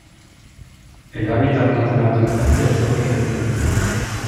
El hábitat natural dominante es bosque de pino-encino.